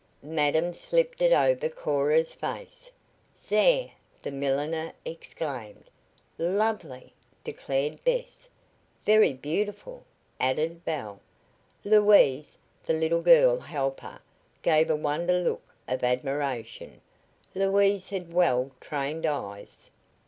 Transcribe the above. Madam slipped it over Cora's face. "Zere!" the milliner exclaimed. "Lovely!" declared Bess. "Very beautiful!" added Belle. Louise, the little girl helper, gave a wonder look of admiration. Louise had well trained eyes.